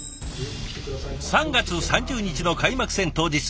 ３月３０日の開幕戦当日。